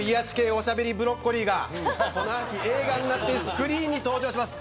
おしゃべりブロッコリーがこの秋、映画になってスクリーンに登場します。